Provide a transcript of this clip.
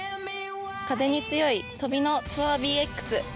風に強い飛びのＴＯＵＲＢＸ。